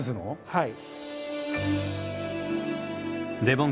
はい。